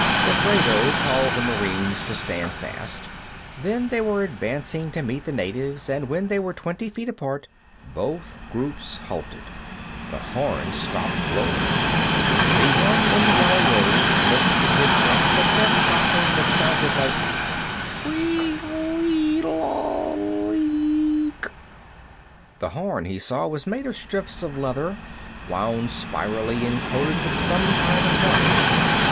Gofredo called to the Marines to stand fast. Then they were advancing to meet the natives, and when they were twenty feet apart, both groups halted. The horn stopped blowing. The one in the yellow robe lifted his staff and said something that sounded like, "Tweedle eedle oodly eenk." The horn, he saw, was made of strips of leather, wound spirally and coated with some kind of varnish.